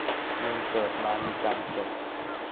มึงเกิดมามีกรรม จบ.